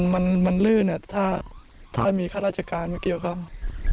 มันลื่นถ้ามีคาดราชการเกี่ยวกับเขา